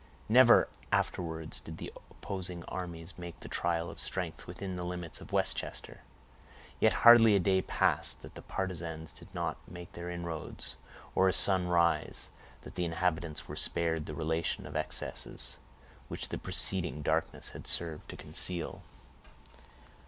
Never afterwards did the opposing armies make the trial of strength within the limits of Westchester; yet hardly a day passed, that the partisans did not make their inroads; or a sun rise, that the inhabitants were spared the relation of excesses which the preceding darkness had served to conceal.